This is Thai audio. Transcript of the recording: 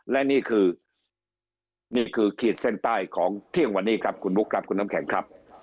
และนี่คือนี่คือขีดเส้นใต้ของเที่ยงวันนี้ครับคุณบุ๊คครับคุณน้ำแข็งครับ